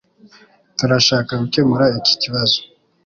Turashaka gukemura iki kibazo.